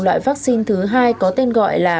loại vaccine thứ hai có tên gọi là